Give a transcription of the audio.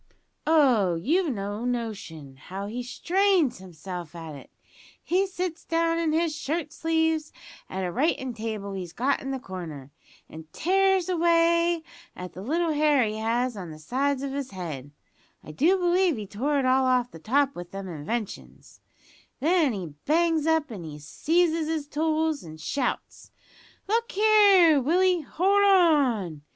Oh, you've no notion how he strains himself at it. He sits down in his shirt sleeves at a writin' table he's got in a corner, an' tears away at the little hair he has on the sides of his head (I do believe he tore it all off the top with them inventions), then he bangs up an' seizes his tools, and shouts, `Look here, Willie, hold on!'